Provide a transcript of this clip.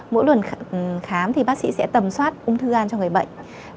mỗi lần khám thì bác sĩ sẽ tầm soát ung thư gan cho người bệnh